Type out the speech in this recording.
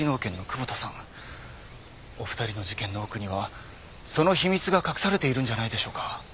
お二人の事件の奥にはその秘密が隠されているんじゃないでしょうか？